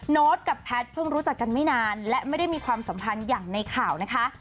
โน๊ตกับแพทย์เพิ่งรู้จักกันไม่นานและไม่ได้มีความสัมพันธ์อย่างในข่าวนะคะ